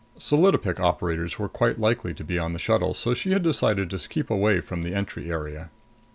Solidopic operators were quite likely to be on the shuttle, so she had decided to keep away from the entry area.